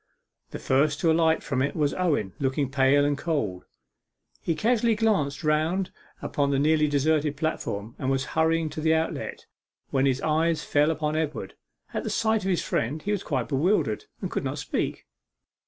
The first to alight from it was Owen, looking pale and cold. He casually glanced round upon the nearly deserted platform, and was hurrying to the outlet, when his eyes fell upon Edward. At sight of his friend he was quite bewildered, and could not speak.